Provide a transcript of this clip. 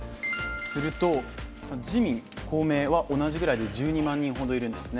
すると自民、公明は同じくらいで１２万人くらいいるんですね。